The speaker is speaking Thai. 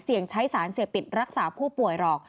เสี่ยงใช้สารเสียบติดรักษาผู้ป่วยหรอก